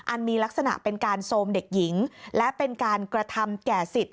มีลักษณะเป็นการโทรมเด็กหญิงและเป็นการกระทำแก่สิทธิ